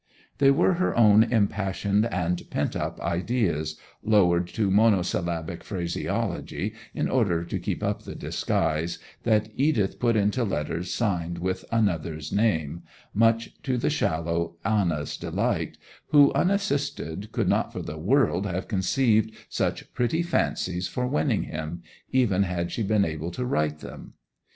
They were her own impassioned and pent up ideas—lowered to monosyllabic phraseology in order to keep up the disguise—that Edith put into letters signed with another name, much to the shallow Anna's delight, who, unassisted, could not for the world have conceived such pretty fancies for winning him, even had she been able to write them.